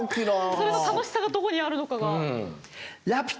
それの楽しさがどこにあるのかが。